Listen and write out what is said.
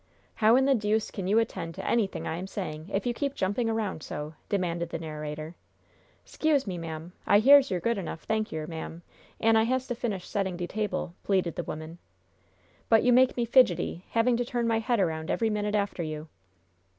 "How in the deuce can you attend to anything I am saying if you keep jumping around so?" demanded the narrator. "'Scuse me, ma'am; I hears yer good enough, thank yer, ma'am; an' I has to finish settin' de table," pleaded the woman. "But you make me fidgety, having to turn my head around every minute after you."